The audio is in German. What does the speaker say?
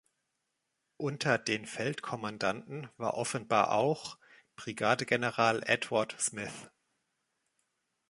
Unter den Feldkommandanten war offenbar auch Brigadegeneral Edward Smith.